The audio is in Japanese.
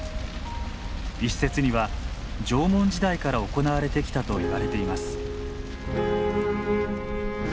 一説には縄文時代から行われてきたといわれています。